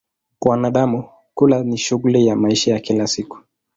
Kwa wanadamu, kula ni shughuli ya maisha ya kila siku.